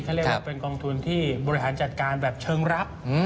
เขาเรียกว่าเป็นกองทุนที่บริหารจัดการแบบเชิงรับ